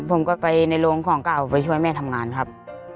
ผมก็ไปในโรงของเก่าไปช่วยแม่ทำงานครับ